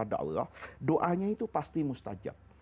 doa doanya itu pasti mustajab